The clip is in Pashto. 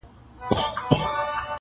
لنډۍ په غزل کي- اوومه برخه-